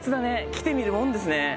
来てみるもんですね。